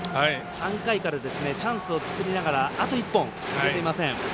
３回からチャンスを作りながらあと１本、出ていません。